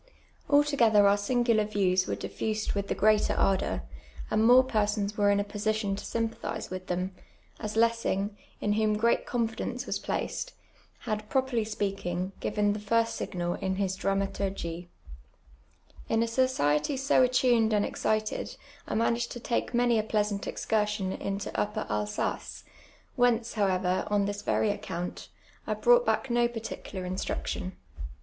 Altogether om* singular views were diifused with the greater ardour, and more persons were in a position to sjnnpathize with them, as Lessing, in whom great confidence was placed, had, properly speaking, given the fii'st signal in his Dramaturgie. In a society so attuned and excited I managed to take many a pleasant excursion into Tapper Alsace, whence, however, on this very account, I brought back no particular instruction.